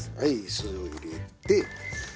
酢を入れて。